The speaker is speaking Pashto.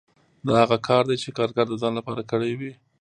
دا هغه کار دی چې کارګر د ځان لپاره کړی وي